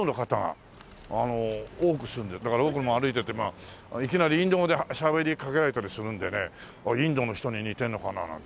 だから僕も歩いてていきなりインド語でしゃべりかけられたりするんでねインドの人に似てるのかななんて。